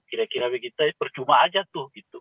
kira kira begitu percuma saja tuh